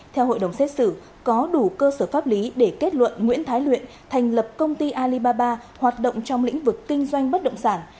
theo hội đồng xét xử có đủ cơ sở pháp lý để kết luận nguyễn thái luyện thành lập công ty alibaba hoạt động trong lĩnh vực kinh doanh bất động sản